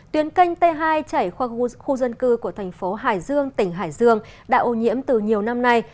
tuyến canh t hai chảy khoa khu dân cư của thành phố hải dương tỉnh hải dương đã ô nhiễm từ nhiều năm nay